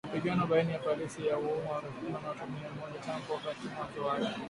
Mapigano baina ya polisi yameuwa takriban watu mia moja tangu wakati mwanzo wake.